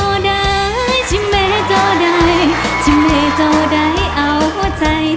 ร้องได้